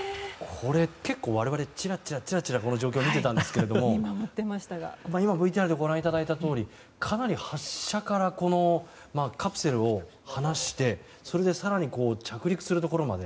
これ、結構我々ちらちらとこの状況を見ていたんですが今、ＶＴＲで見ていただいたとおりかなり発射からカプセルを離してそれで更に着陸するところまで。